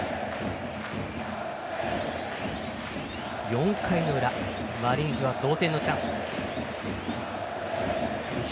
４回の裏マリーンズは同点のチャンス。